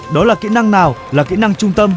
đó là kỹ năng nào là kỹ năng trung tâm